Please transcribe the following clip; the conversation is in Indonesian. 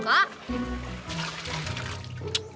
bukannya abah gak suka